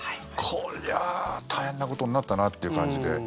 こりゃあ大変なことになったなという感じで。